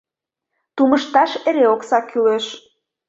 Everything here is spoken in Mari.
Тумышташ эре окса кӱлеш.